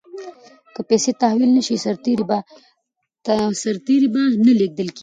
که پیسې تحویل نه شي سرتیري به نه لیږل کیږي.